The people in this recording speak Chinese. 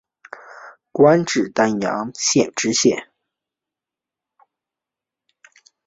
官至丹阳县知县。